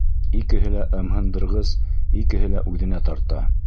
Икеһе лә ымһындырғыс, икеһе лә үҙенә тарта.